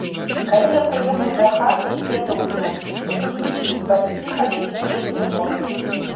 Калі я прыехаў дахаты, ведаў ужо, што паступіў, бацькі хадзілі вельмі гордыя.